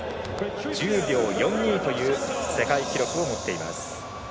１０秒４２という世界記録を持っています。